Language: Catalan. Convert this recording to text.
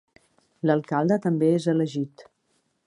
L'alcalde també és elegit.